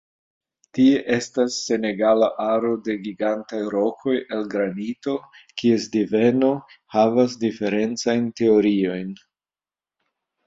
Tie estas senegala aro de gigantaj rokoj el granito kies deveno havas diferencajn teoriojn.